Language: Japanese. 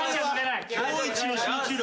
今日イチの集中力。